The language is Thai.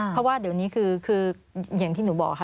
เพราะว่าเดี๋ยวนี้คืออย่างที่หนูบอกค่ะ